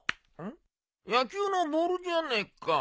野球のボールじゃねえか。